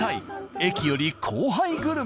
駅より後輩グルメ。